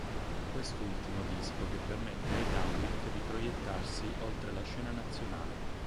Quest'ultimo disco che permette ai Dunwich di proiettarsi oltre la scena nazionale.